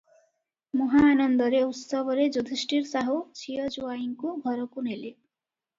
ମହା ଆନନ୍ଦରେ, ଉତ୍ସବରେ ଯୁଧିଷ୍ଠିର ସାହୁ ଝିଅ ଜୁଆଇଁଙ୍କୁ ଘରକୁ ନେଲେ ।